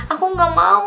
aku gak mau